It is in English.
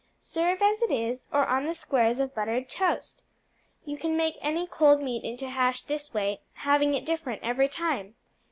Serve as it is, or on squares of buttered toast. You can make any cold meat into hash this way, having it different every time.